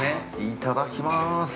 ◆いただきまーす。